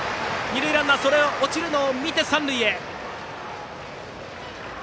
二塁ランナー、落ちるのを見て三塁へ。